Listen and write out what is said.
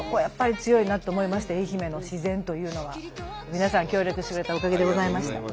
皆さん協力してくれたおかげでございました。